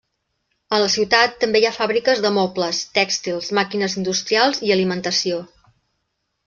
En la ciutat també hi ha fàbriques de mobles, tèxtils, màquines industrials i alimentació.